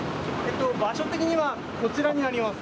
場所的にはこちらになります。